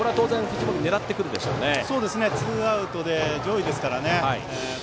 そうですね、ツーアウトで上位ですからね。